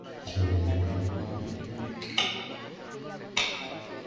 Developer সুবিধাটি যদি বাতিল করতে চান, তাহলে ফ্যাক্টরি রিসেট করতে হতে পারে।